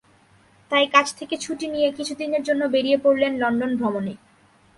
তাই কাজ থেকে ছুটি নিয়ে কিছুদিনের জন্য বেরিয়ে পড়লেন লন্ডন ভ্রমণে।